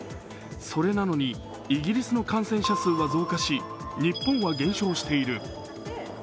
それなのにイギリスの感染者数は増加し、日本は減少している。